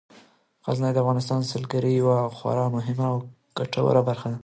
غزني د افغانستان د سیلګرۍ یوه خورا مهمه او ګټوره برخه ده.